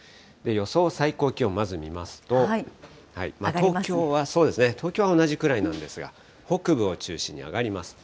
予想最高気温、まず見ますと、東京はそうですね、東京は同じくらいなんですが、北部を中心に上がります。